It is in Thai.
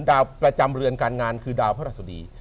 ดาวประจำเรือนการงานคือดาวพระราชดี